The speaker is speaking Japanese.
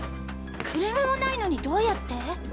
車もないのにどうやって？